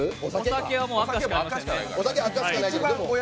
お酒は赤しかないから。